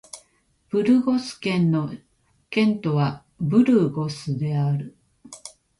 ブルゴス県の県都はブルゴスである